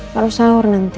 harus sahur nanti